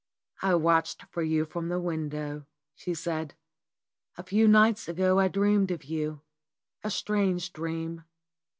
"I watched for you from the window," she said. "A few nights ago I dreamed of you, a strange dream.